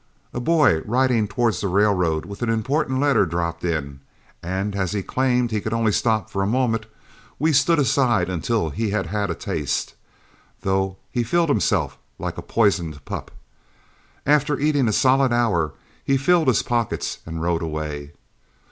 A boy riding towards the railroad with an important letter dropped in, and as he claimed he could only stop for a moment, we stood aside until he had had a taste, though he filled himself like a poisoned pup. After eating a solid hour, he filled his pockets and rode away.